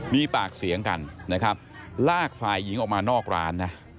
มีปากเสียงกันนะครับลากฝ่ายหญิงออกมานอกร้านนะ